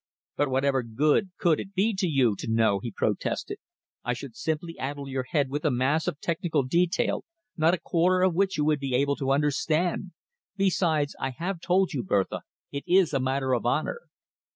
"But whatever good could it be to you to know?" he protested. "I should simply addle your head with a mass of technical detail, not a quarter of which you would be able to understand. Besides, I have told you, Bertha, it is a matter of honour."